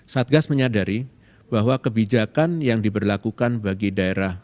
satgas menyadari bahwa kebijakan yang diberlakukan bagi daerah